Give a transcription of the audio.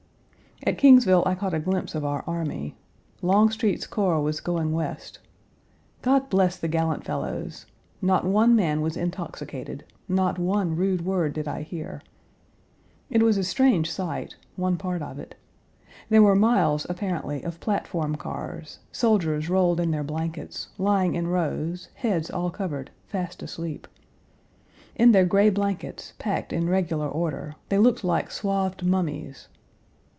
At Kingsville I caught a glimpse of our army. Longstreet's corps was going West. God bless the gallant fellows! Not one man was intoxicated; not one rude word did I hear. It was a strange sight one part of it. There were miles, apparently, of platform cars, soldiers rolled in their blankets, lying in rows, heads all covered, fast asleep. In their gray blankets, packed in regular order, they looked like swathed mummies.